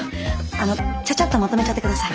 あのちゃちゃっとまとめちゃって下さい。